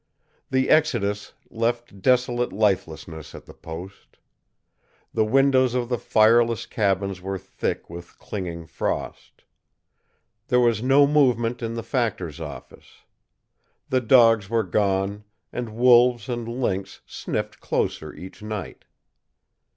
The exodus left desolate lifelessness at the post. The windows of the fireless cabins were thick with clinging frost. There was no movement in the factor's office. The dogs were gone, and wolves and lynx sniffed closer each night.